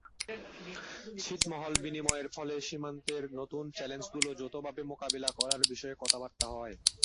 ছিটমহল বিনিময়ের ফলে সীমান্তের নতুন চ্যালেঞ্জগুলো যৌথভাবে মোকাবিলা করার বিষয়ে কথাবার্তা হয়।